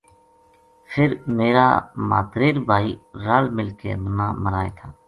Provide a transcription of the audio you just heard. فر میرا ماتریرا بھائی رَل مِل کے منا مرائے تھا